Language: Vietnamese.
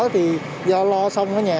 thì do lo xong nó nhà